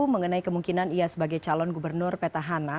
mengenai kemungkinan ia sebagai calon gubernur petahana